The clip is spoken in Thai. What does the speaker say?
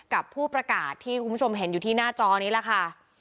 กับผู้ประกาศที่คุณผู้ชมเห็นอยู่ที่หน้าจอนี้ล่ะค่ะ